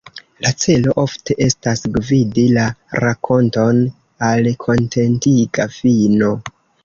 La celo ofte estas gvidi la rakonton al kontentiga fino.